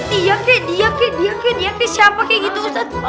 dia kayak dia kayak dia kayak dia kayak siapa kayak gitu ustadz